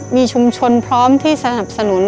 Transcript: มีชุมชนพร้อมที่สนับสนุน